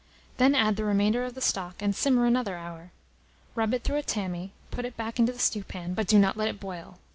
Then add the remainder of the stock, and simmer another hour. Rub it through a tammy, put it back into the stewpan, but do not let it boil.